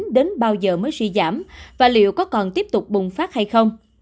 đến bao giờ mới suy giảm và liệu có còn tiếp tục bùng phát hay không